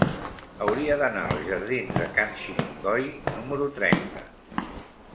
Hauria d'anar als jardins de Can Xiringoi número trenta.